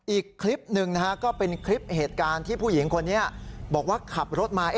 อีกคลิปหนึ่งนะฮะก็เป็นคลิปเหตุการณ์ที่ผู้หญิงคนนี้บอกว่าขับรถมา